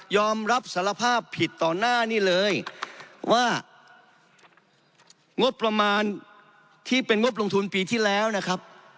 อมรับสารภาพผิดต่อหน้านี่เลยว่างบประมาณที่เป็นงบลงทุนปีที่แล้วนะครับ